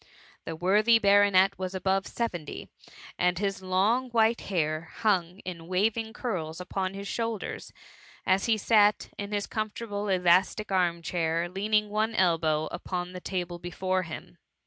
The worthy baronet was above seventy ; and his long white hair hung in waving curls upon his shoulders, as he sat in his comfortable elastic arm chair, leaning one elbow upon the table before him.